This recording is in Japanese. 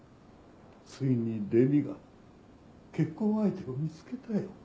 ついに麗美が結婚相手を見つけたよ。